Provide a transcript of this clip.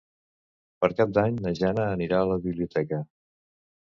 Per Cap d'Any na Jana anirà a la biblioteca.